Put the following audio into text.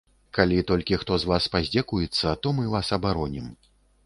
Калі толькі хто з вас паздзекуецца, то мы вас абаронім.